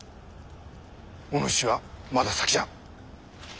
お主はまだ先じゃ。